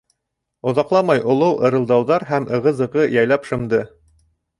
Оҙаҡламай олоу-ырылдауҙар һәм ығы-зығы яйлап шымды.